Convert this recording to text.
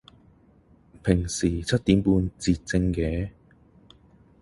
平時七點半截症嘅